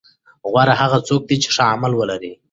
غوره هغه څوک دی چې ښه عمل ولري.